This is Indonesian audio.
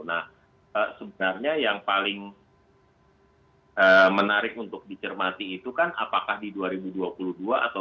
nah sebenarnya yang paling menarik untuk dicermati itu kan apakah di dua ribu dua puluh dua atau dua ribu dua puluh empat